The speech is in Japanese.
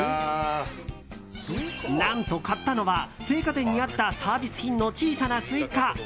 何と買ったのは青果店にあったサービス品の小さなスイカ。